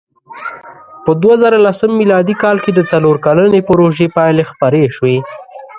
په دوهزرهلسم مېلادي کال کې د څلور کلنې پروژې پایلې خپرې شوې.